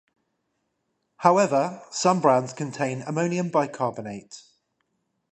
However, some brands contain ammonium bicarbonate.